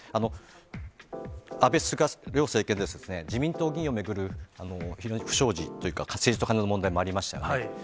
安倍・菅両政権でですね、自民党議員を巡る不祥事というか、政治とカネの問題もありました。